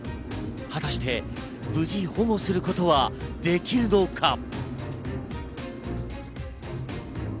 果たして無事保護することはできるのか？